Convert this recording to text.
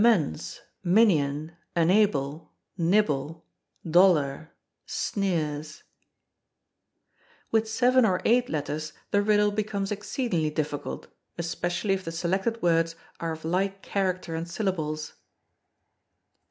A M E N D S M I N I O N E N A B L E N I B B I E D O L L A R S N E E R S With seven or eight letters the riddle becomes exceedingly difficult, especially if the selected words are of like character and syllables.